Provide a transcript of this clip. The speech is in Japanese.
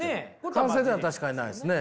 完成では確かにないですね。